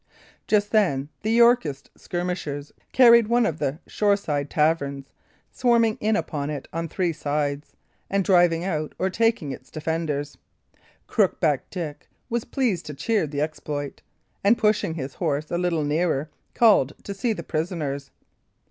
Just then the Yorkist skirmishers carried one of the shoreside taverns, swarming in upon it on three sides, and driving out or taking its defenders. Crookback Dick was pleased to cheer the exploit, and pushing his horse a little nearer, called to see the prisoners.